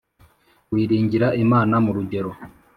Wiringira imana mu rugero